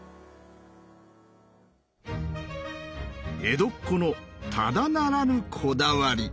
江戸っ子のただならぬこだわり。